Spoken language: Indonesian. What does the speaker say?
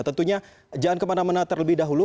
tentunya jangan kemana mana terlebih dahulu